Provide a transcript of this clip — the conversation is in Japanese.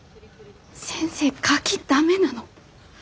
先生カキ駄目なの！